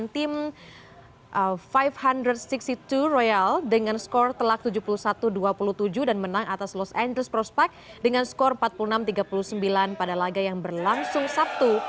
tim lima ratus enam puluh dua royal dengan skor telak tujuh puluh satu dua puluh tujuh dan menang atas los angeles prospec dengan skor empat puluh enam tiga puluh sembilan pada laga yang berlangsung sabtu